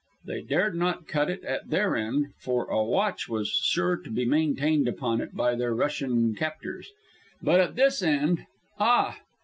They dared not cut it at their end, for a watch was sure to be maintained upon it by their Russian captors; but at this end, ah!